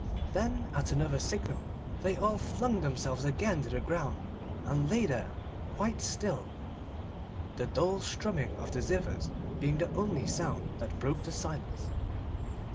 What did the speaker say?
Then at another signal they all flung themselves again to the ground and lay there quite still, the dull strumming of the zithers being the only sound that broke the silence.